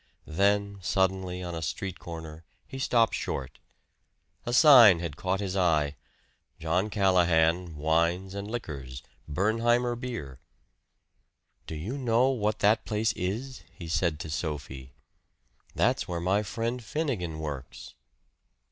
Then suddenly, on a street corner, he stopped short. A sign had caught his eye "John Callahan, Wines and Liquors Bernheimer Beer." "Do you know what that place is?" he said to Sophie. "That's where my friend Finnegan works."